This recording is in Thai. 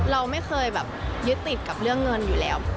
เราไม่เคยแบบยึดติดกับเรื่องเงินอยู่แล้ว